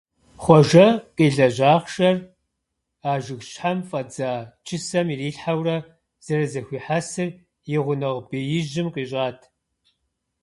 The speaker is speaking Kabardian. Хъуэжэ къилэжь ахъшэр а жыгыщхьэм фӀэдза чысэм ирилъхьэурэ зэрызэхуихьэсыр и гъунэгъу беижьым къищӀат.